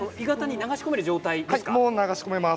流し込めます。